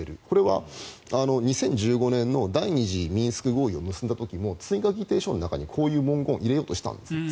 これは２０１５年の第２次ミンスク合意を結んだ時も追加議定書の中にこういう文言を入れようとしたんです。